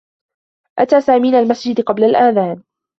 أتى سامي إلى المسجد قبل الأذان.